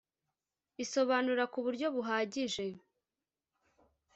isobanura kuburyo buhagije .